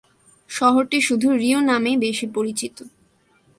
শহরটি শুধু "রিউ" নামেই বেশি পরিচিত।